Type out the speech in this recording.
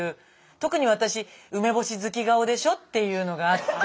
特に私「梅干し好き顔でしょ」っていうのがあって。